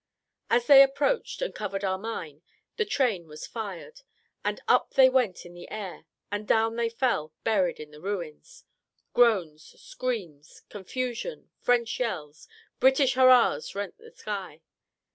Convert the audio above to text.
As they approached and covered our mine, the train was fired, and up they went in the air, and down they fell buried in the ruins. Groans, screams, confusion, French yells, British hurras rent the sky!